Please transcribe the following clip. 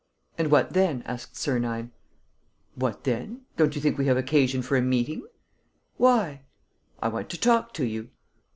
"And what then?" asked Sernine. "What then? Don't you think we have occasion for a meeting?" "Why?" "I want to talk to you."